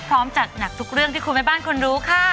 พร้อมจากหนักทุกเรื่องที่ควรในบ้านค้นรู้ค่ะ